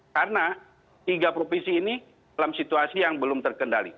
karena tiga provinsi ini dalam situasi yang belum terkendali